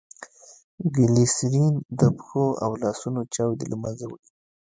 ګلیسرین دپښو او لاسو چاودي له منځه وړي.